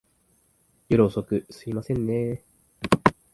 夜遅く、すいませんねぇ。